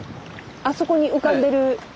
あそこに浮かんでる。